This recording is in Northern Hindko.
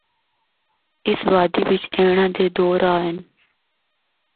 اس وادی بچ اینڑا دے دو راہ ہن۔